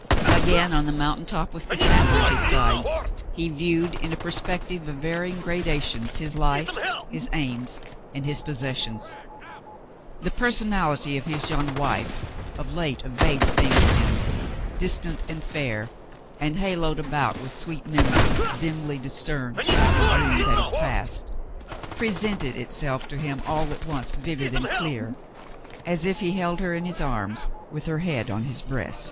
Again on the mountain top, with Cassandra at his side, he viewed in a perspective of varying gradations his life, his aims, and his possessions. The personality of his young wife, of late a vague thing to him, distant and fair, and haloed about with sweet memories dimly discerned like a dream that is past, pre sented itself to him all at once vivid and clear, as if he held her in his arms with her head on his breast.